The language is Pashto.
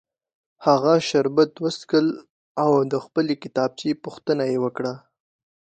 هغه شربت وڅښل او د خپلې کتابچې پوښتنه یې وکړه